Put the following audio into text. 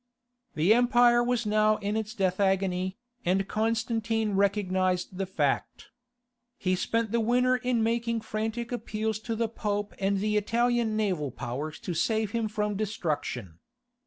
The empire was now in its death agony, and Constantine recognized the fact. He spent the winter in making frantic appeals to the Pope and the Italian naval powers to save him from destruction.